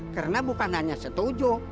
karena bukan hanya setuju